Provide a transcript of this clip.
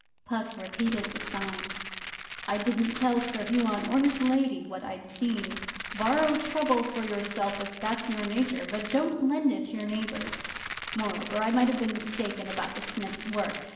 Puck repeated the sign. 'I didn't tell Sir Huon or his Lady what I'd seen. Borrow trouble for yourself if that's your nature, but don't lend it to your neighbours. Moreover, I might have been mistaken about the Smith's work.